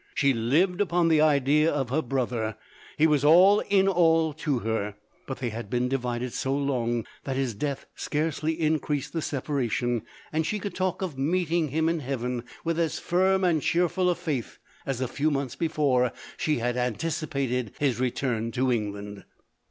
She lived upon the idea of her brother; he was all in all to her, but they had been divided so long, that his death scarcely increased the separation ; and she could talk of meeting LODORE. 285 him in heaven, with as firm and cheerful a faith, as a few months before she had anticipated his return to England.